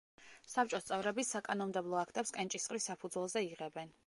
საბჭოს წევრები საკანონმდებლო აქტებს კენჭისყრის საფუძველზე იღებენ.